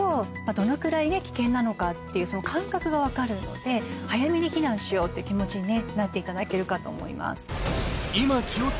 どのくらい危険なのかっていうその感覚が分かるので早めに避難しようという気持ちになっていただけるかと思います。